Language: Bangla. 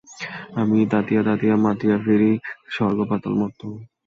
আমি তাথিয়া তাথিয়া মাথিয়া ফিরি স্বর্গ-পাতাল মর্ত্য।